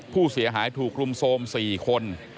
ผู้เสียหายถูกรุมโทรม๔คน